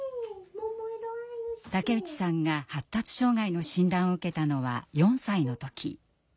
竹内さんが発達障害の診断を受けたのは４歳の時。